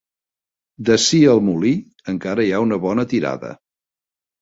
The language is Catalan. D'ací al molí encara hi ha una bona tirada.